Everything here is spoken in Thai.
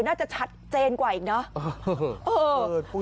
น่าจะชัดเจนกว่าอีกเนอะ